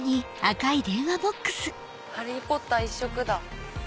『ハリー・ポッター』一色だ。